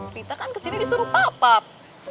rita kan kesini disuruh pak pap